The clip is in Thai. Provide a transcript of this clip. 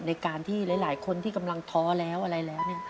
ในการที่หลายคนที่กำลังท้อแล้วอะไรแล้ว